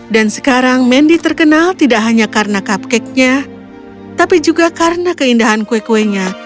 dan sekarang mendy terkenal tidak hanya karena cupcakenya tapi juga karena keindahan kue kuenya